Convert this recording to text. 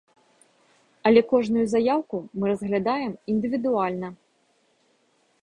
Але кожную заяўку мы разглядаем індывідуальна.